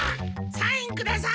サインください！